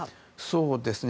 そうですね。